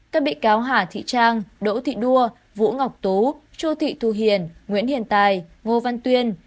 các bị cáo hà thị trang đỗ thị đua vũ ngọc tú chu thị thu hiền nguyễn hiền tài ngô văn tuyên